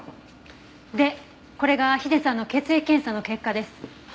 でこれがヒデさんの血液検査の結果です。